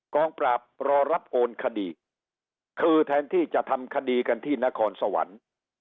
กองปราบรอรับโอนคดีคือแทนที่จะทำคดีกันที่นครสวรรค์